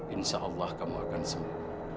insya allah kamu akan sembuh